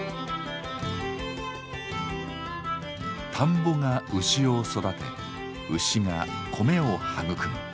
田んぼが牛を育て牛が米を育む。